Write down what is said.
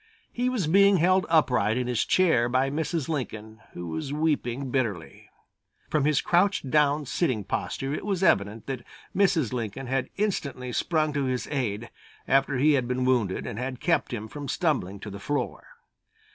He was being held upright in his chair by Mrs. Lincoln, who was weeping bitterly. From his crouched down sitting posture it was evident that Mrs. Lincoln had instantly sprung to his aid after he had been wounded and had kept him from tumbling to the floor.